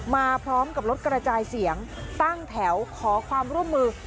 มาพร้อมกับรถกระจายเสียงตั้งแถวขอความร่วมมือ